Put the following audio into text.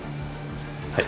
はい。